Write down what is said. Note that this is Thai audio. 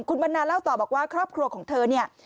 คุณวันนาเล่าต่อบอกว่าครอบครัวของเธอเนี่ย